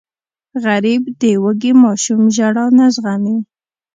غریب د وږې ماشوم ژړا نه زغمي